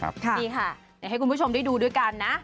มีค่ะให้คุณผู้ชมได้ดูด้วยกันนะ